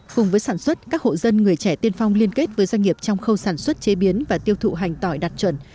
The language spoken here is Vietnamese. cùng với sản xuất các hộ dân người trẻ tiên phong liên kết với doanh nghiệp trong khâu sản xuất chế biến và tiêu thụ hành tỏi đạt chuẩn